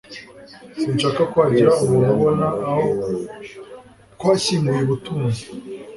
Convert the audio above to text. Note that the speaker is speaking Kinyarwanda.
Sinshaka ko hagira umuntu ubona aho twashyinguye ubutunzi.